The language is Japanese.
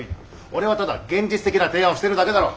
俺はただ現実的な提案をしてるだけだろ。